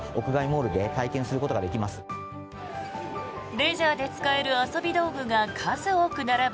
レジャーで使える遊び道具が数多く並ぶ